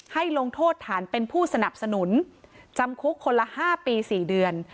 ให้ลงโทษฐานเป็นผู้สนับสนุนจำคุกคนละ๕ปี๔เดือน